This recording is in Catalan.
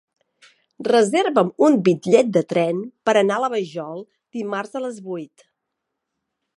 Reserva'm un bitllet de tren per anar a la Vajol dimarts a les vuit.